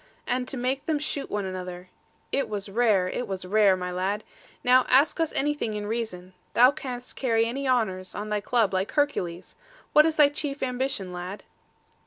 And to make them shoot one another: it was rare; it was rare, my lad. Now ask us anything in reason; thou canst carry any honours, on thy club, like Hercules. What is thy chief ambition, lad?'